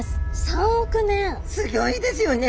すギョいですよね。